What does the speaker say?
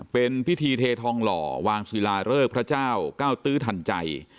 เป็นพิธีเททองหล่อวางศิลาเริกพระเจ้าเก้าตื้อทันใจ